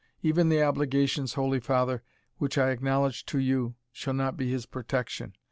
Even the obligations, holy father, which I acknowledge to you, shall not be his protection.